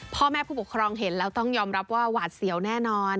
พ่อแม่ผู้ปกครองเห็นแล้วต้องยอมรับว่าหวาดเสียวแน่นอน